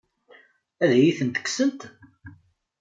Ad iyi-tent-kksent?